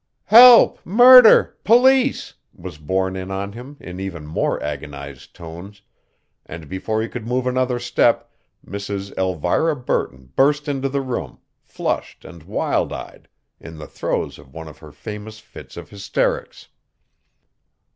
"Help! Murder! Police!" was borne in on him in even more agonized tones, and before he could move another step Mrs. Elvira Burton burst into the room flushed and wild eyed in the throes of one of her famous fits of hysterics.